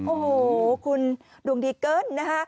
โอ้โหคุณดวงดีเกินนะฮะ